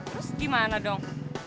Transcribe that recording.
terus gimana dong